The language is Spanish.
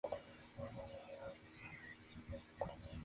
Kym está casado con la actriz y escritora Suzanne Dowling.